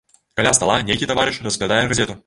Каля стала нейкі таварыш разглядае газету.